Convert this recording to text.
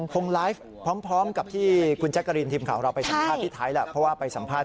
คงไลฟ์พร้อมกับที่คุณแจ๊กกะรินทีมข่าวเราไปสัมภาษณ์พี่ไทท์